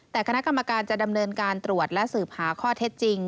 แต่คณะกรรมการจะดำเนินการตรวจและสืบหาข้อเท็จจริง